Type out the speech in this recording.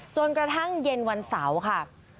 จนกระทั่งเย็นวันเสาร์ค่ะ